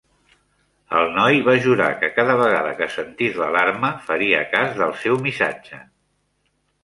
El noi va jurar que cada vegada que sentís l'alarma faria cas del seu missatge.